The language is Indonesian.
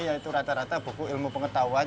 yaitu rata rata buku ilmu pengetahuan